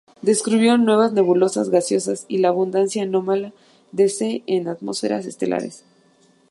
Descubrió nuevas nebulosas gaseosas y la abundancia anómala de C en atmósferas estelares.